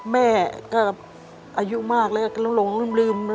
แม่ก็อายุมากเลยลงลืม